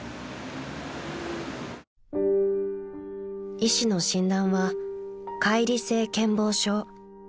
［医師の診断は解離性健忘症］